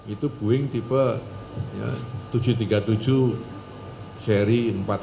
itu boeing tipe tujuh ratus tiga puluh tujuh seri empat ratus